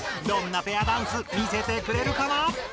どんなペアダンス見せてくれるかな？